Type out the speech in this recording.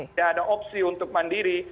tidak ada opsi untuk mandiri